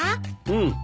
うん。